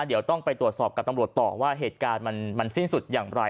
เดี๋ยวต้องไปตรวจสอบกับตำรวจต่อว่าเหตุการณ์มันสิ้นสุดอย่างไร